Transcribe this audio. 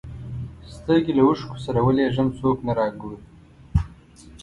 سترګي له اوښکو سره ولېږم څوک نه را ګوري